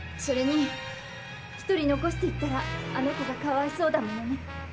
それに１人残していったらあの子がかわいそうだものね。